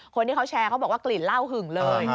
คนที่เขาแชร์เขาบอกว่ากลิ่นเหล้าหึงเลย